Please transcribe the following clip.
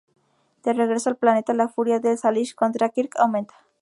De regreso al planeta, la furia de Salish contra Kirk aumenta.